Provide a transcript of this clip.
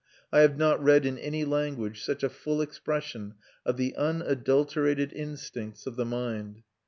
I have not read in any language such a full expression of the unadulterated instincts of the mind.